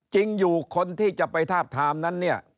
จริงอยู่คนที่จะไปทาบทามนั้นเนี่ย